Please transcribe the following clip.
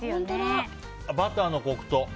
バターのコクと。